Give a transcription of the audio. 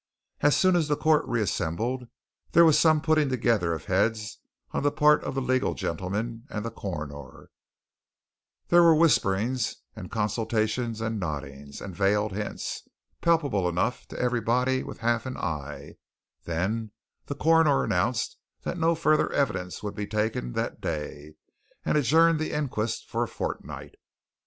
As soon as the court re assembled, there was some putting together of heads on the part of the legal gentlemen and the Coroner; there were whisperings and consultations and noddings and veiled hints, palpable enough to everybody with half an eye; then the Coroner announced that no further evidence would be taken that day, and adjourned the inquest for a fortnight.